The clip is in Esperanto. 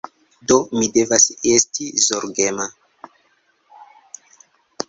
Do, mi devas esti zorgema